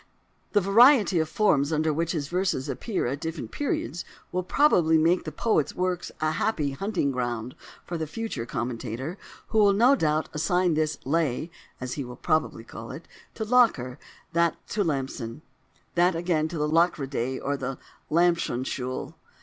The variety of forms under which his verses appear at different periods will probably make the poet's works a happy hunting ground for the future commentator, who will no doubt assign this "lay" (as he will probably call it) to Locker, that to Lampson, that again to the Lockeridae or the Lampsonschule.